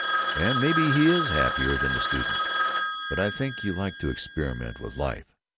And maybe he is happier than the student. But I think you like to experiment with life."